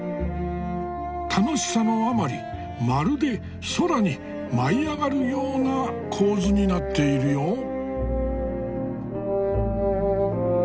楽しさのあまりまるで空に舞い上がるような構図になっているよ。